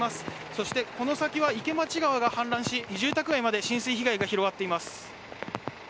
そして、この先は池町川が氾濫し住宅街まで浸水被害が広がっています。